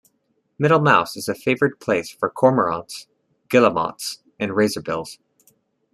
Middle Mouse is a favoured place for cormorants, guillemots and razorbills.